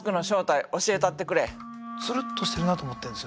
ツルッとしてるなと思ってるんです。